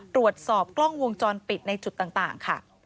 ตรวจสอบกล้องวงจรปิดในจุดต่างค่ะ